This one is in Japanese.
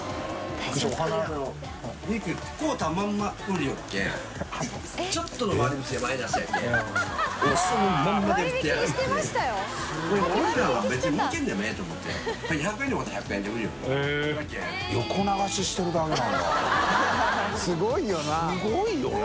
福すごいよね。